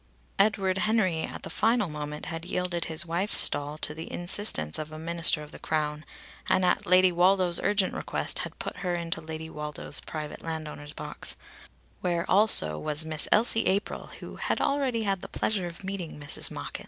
Edward Henry at the final moment had yielded his wife's stall to the instances of a Minister of the Crown, and at Lady Woldo's urgent request had put her into Lady Woldo's private landowner's box, where also was Miss Elsie April who "had already had the pleasure of meeting Mrs. Machin."